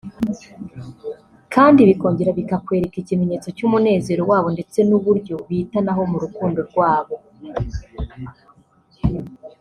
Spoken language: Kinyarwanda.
kandi bikongera bikakwereka ikimenyetso cy’umunezero wabo ndetse n’uburyo bitanaho mu rukundo rwabo